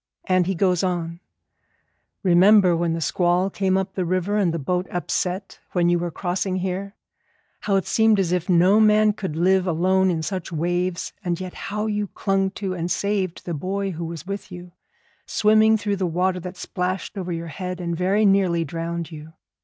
And he goes on: 'Remember when the squall came up the river and the boat upset when you were crossing here; how it seemed as if no man could live alone in such waves, and yet how you clung to and saved the boy who was with you, swimming through the water that splashed over your head and very nearly drowned you.